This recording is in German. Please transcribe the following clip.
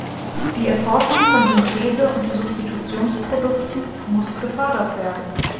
Die Erforschung von Synthese- und Substitutionsprodukten muss gefördert werden.